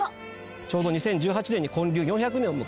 ちょうど２０１８年に建立４００年を迎えました。